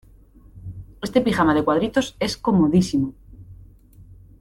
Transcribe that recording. Este pijama de cuadritos es comodísimo.